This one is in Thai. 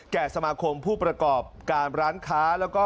แก่สมาคมผู้ประกอบการร้านค้าแล้วก็